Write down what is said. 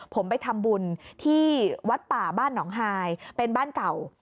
ผมไปทำบุญที่วัดป่าบ้านหนองฮายเป็นบ้านเก่า